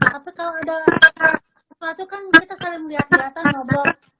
tapi kalau ada sesuatu kan kita saling lihat lihatan ngobrol